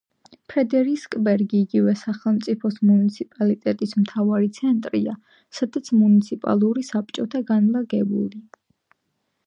ფრედერიკსბერგი იგივე სახელწოდების მუნიციპალიტეტის მთავარი ცენტრია, სადაც მუნიციპალური საბჭოა განლაგებული.